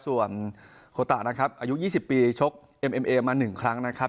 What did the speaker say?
ส่วนโคตานะครับอายุยี่สิบปีชกเอ็มเอ็มเอมาหนึ่งครั้งนะครับ